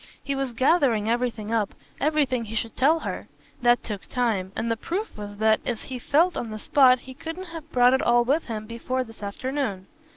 He was gathering everything up, everything he should tell her. That took time, and the proof was that, as he felt on the spot, he couldn't have brought it all with him before this afternoon.